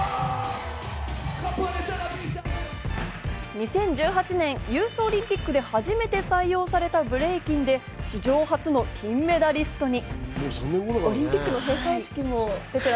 ２０１８年ユースオリンピックで初めて採用されたブレイキンで史上初の金メダリストに。